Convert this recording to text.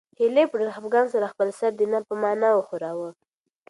هیلې په ډېر خپګان سره خپل سر د نه په مانا وښوراوه.